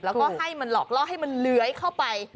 แล้วก็ให้มันหลอกล่อให้มันเลื้อยเข้าไป